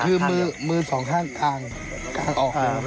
เออมือทาง๒ข้างออก